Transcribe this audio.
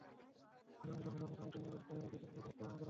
পাশাপাশি সামাজিক সংগঠনের সঙ্গে জড়িত হয়ে দেশের প্রতি দায়িত্ব পালন করা।